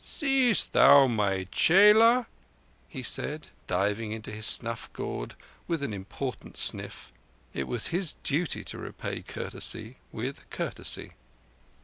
"Seest thou my chela?" he said, diving into his snuff gourd with an important sniff. It was his duty to repay courtesy with courtesy.